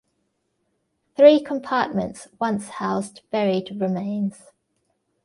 Three compartments once housed buried remains.